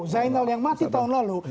zainal yang masih tahun lalu